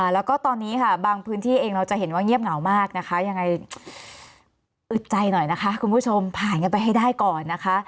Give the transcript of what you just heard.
แล้วก็ตอนนี้ค่ะบางพื้นที่เองเราจะเห็นว่าเงียบเหงามากนะคะยังไงอึดใจหน่อยนะคะคุณผู้ชมผ่านกันไปให้ได้ก่อนนะคะ